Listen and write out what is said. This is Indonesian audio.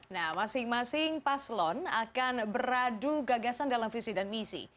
nah masing masing paslon akan beradu gagasan dalam visi dan misi